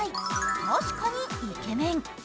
確かにイケメン。